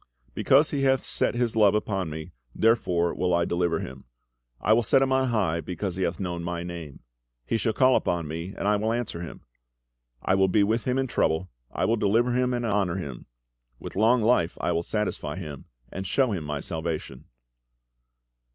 "Because he hath set his love upon Me, therefore will I deliver him. I will set him on high, because he hath known My Name. He shall call upon Me, and I will answer him; I will be with him in trouble; I will deliver him, and honour him. With long life will I satisfy him, and show him My salvation."